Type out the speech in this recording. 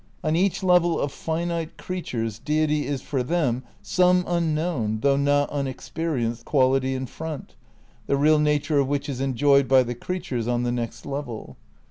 ... On each level of finite creatures deity is for them some 'unknown' (though not 'unexperienced') quality in front, the real nature of which is enjoyed by the crea tures on the next level."